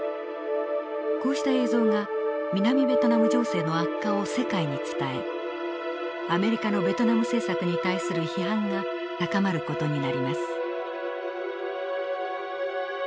こうした映像が南ベトナム情勢の悪化を世界に伝えアメリカのベトナム政策に対する批判が高まる事になります。